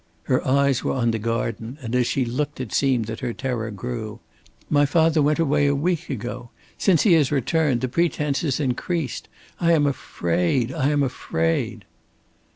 Her eyes were on the garden, and as she looked it seemed that her terror grew. "My father went away a week ago. Since he has returned the pretence has increased. I am afraid! I am afraid!"